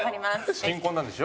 新婚なんでしょ？